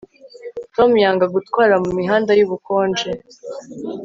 Tom yanga gutwara mumihanda yubukonje